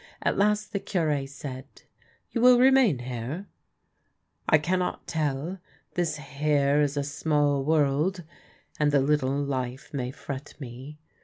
At last the Cure said, " You will remain here ?"" I cannot tell. This ' here ' is a small world, and the little life may fret me.